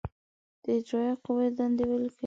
د اجرائیه قوې دندې ولیکئ.